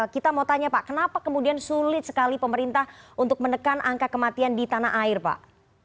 kita mau tanya pak kenapa kemudian sulit sekali pemerintah untuk menekan angka kematian di tanah air pak